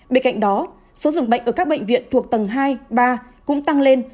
bên cạnh đó số dường bệnh ở các bệnh viện thuộc tầng hai ba cũng tăng lên